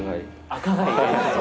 赤貝。